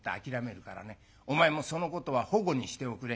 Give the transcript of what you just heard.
お前もそのことはほごにしておくれ。